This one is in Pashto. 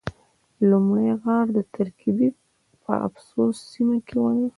لومړی غار د ترکیې په افسوس سیمه کې ده.